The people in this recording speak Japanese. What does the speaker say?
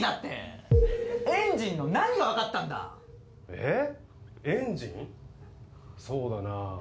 えっ？